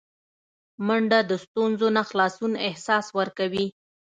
منډه د ستونزو نه خلاصون احساس ورکوي